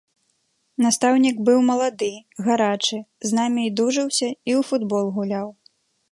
Настаўнік быў малады, гарачы, з намі і дужаўся, і ў футбол гуляў.